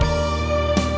aku kekuat more